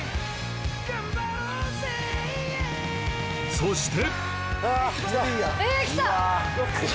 ［そして］